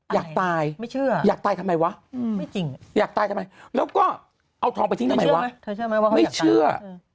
อยากตายอยากตายทำไมวะอยากตายทำไมแล้วก็เอาทองไปทิ้งทำไมวะไม่เชื่อ